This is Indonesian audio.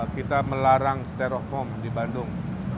kita melarang stereofoam di bandung